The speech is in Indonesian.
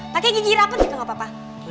pakai gigi rapun juga gak apa apa